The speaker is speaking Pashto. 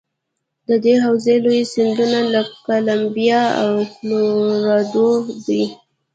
د دې حوزې لوی سیندونه کلمبیا او کلورادو دي.